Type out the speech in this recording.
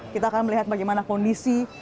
kita akan melihat bagaimana kondisi